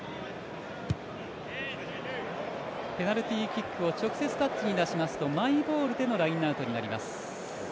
ペナルティキックを直接出しますとマイボールでのラインアウトとなります。